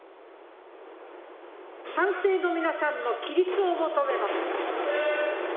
賛成の皆さんの起立を求めます。